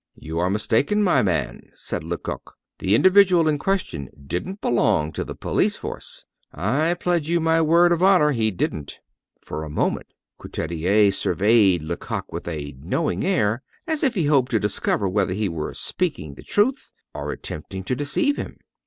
"You are mistaken, my man," said Lecoq. "The individual in question didn't belong to the police force. I pledge you my word of honor, he didn't." For a moment Couturier surveyed Lecoq with a knowing air, as if he hoped to discover whether he were speaking the truth or attempting to deceive him.